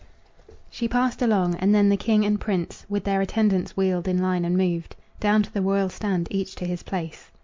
She passed along, and then the king and prince With their attendants wheeled in line and moved Down to the royal stand, each to his place.